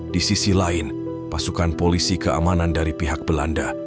di sisi lain pasukan polisi keamanan dari pihak belanda